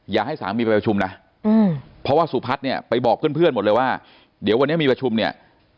อย่าให้สามีไปประชุมนะเพราะว่าสุพัฒน์เนี่ยไปบอกเพื่อนหมดเลยว่าเดี๋ยววันนี้มีประชุมเนี่ย